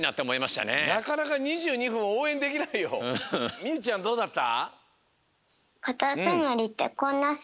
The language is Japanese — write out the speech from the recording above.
みゆちゃんどうだった？